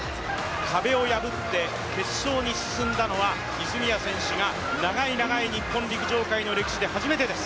壁を破って決勝に進んだのは泉谷選手が長い長い日本陸上界の歴史で初めてです。